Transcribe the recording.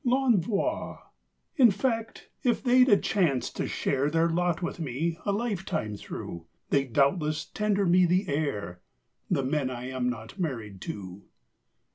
L'ENVOI In fact, if they'd a chance to share Their lot with me, a lifetime through, They'd doubtless tender me the air The men I am not married to.